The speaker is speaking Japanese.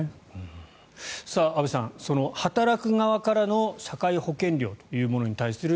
安部さん、その働く側からの社会保険料というものに対する